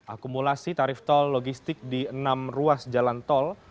akumulasi tarif tol logistik di enam ruas jalan tol